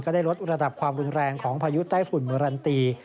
ได้ลดระดับความรุนแรงของพายุใต้ฝุ่นเมอรันตี